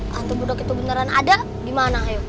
kalo nantabudok itu beneran ada di mana hayo